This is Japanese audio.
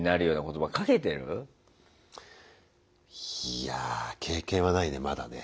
いやあ経験はないねまだね。